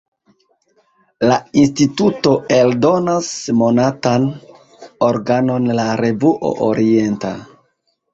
La instituto eldonas monatan organon "La Revuo Orienta".